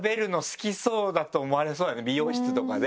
美容室とかで。